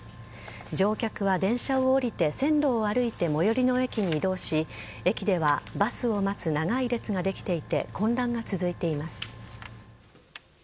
乗客は、電車を降りて線路を歩いて最寄りの駅に移動し駅ではバスを待つ長い列ができていて混乱が続いています。